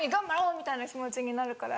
みたいな気持ちになるから。